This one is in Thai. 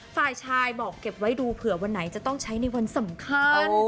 ฝ่ายชายบอกเก็บไว้ดูเผื่อวันไหนจะต้องใช้ในวันสำคัญ